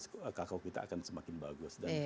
sehingga produktivitas kakao kita akan semakin bagus